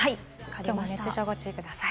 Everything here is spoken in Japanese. きょうも熱中症にご注意ください。